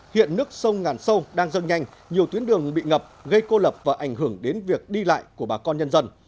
hiện nước sông ngàn sâu đang dâng nhanh nhiều tuyến đường bị ngập gây cô lập và ảnh hưởng đến việc đi lại của bà con nhân dân